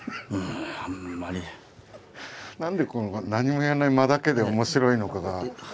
何でこの何もやらない間だけで面白いのかが。